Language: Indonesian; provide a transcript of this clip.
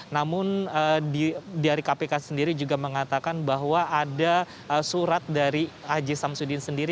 namun dari kpk sendiri juga mengatakan bahwa ada surat dari aji samsudin sendiri